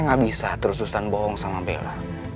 saya ga bisa terus terusan bohong sama bella